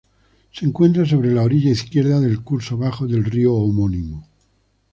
Se encuentra sobre la orilla izquierda del curso bajo del río homónimo.